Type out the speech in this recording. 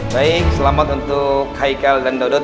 baik selamat untuk kaikal dan daudud